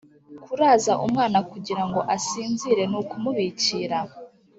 Kuraza umwana kugira ngo asinzire ni ukumubikira